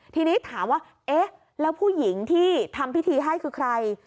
ทีนี้ถามว่าเอ๊ะแล้วผู้หญิงที่ทำพิธีให้คือใคร